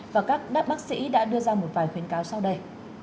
và các đáp bác sĩ đã đưa ra một vài khuyến cáo sau đây